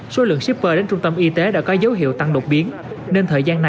số lượng shipper đến trung tâm y tế đã có dấu hiệu tăng độ biến